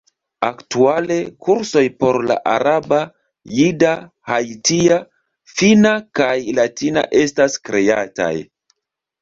Aktuale kursoj por la araba, jida, haitia, finna, kaj latina estas kreataj.